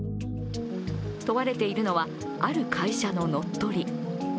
問われているのは、ある会社の乗っ取り。